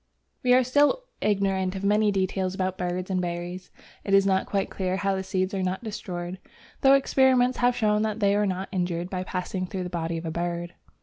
We are still ignorant of many details about birds and berries. It is not quite clear how the seeds are not destroyed, though experiments have shown that they are not injured, by passing through the body of a bird.